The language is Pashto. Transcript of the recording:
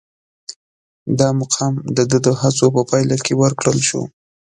دا مقام د ده د هڅو په پایله کې ورکړل شو.